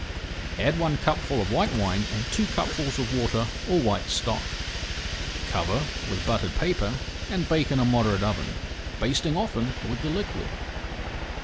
Add one cupful of white wine and two cupfuls of water or white stock. Cover with buttered paper and bake in a moderate oven, basting often with the liquid.